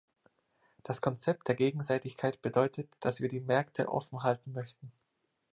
Das Konzept der Gegenseitigkeit bedeutet, dass wir die Märkte offen halten möchten.